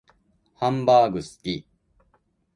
ハンバーグ好き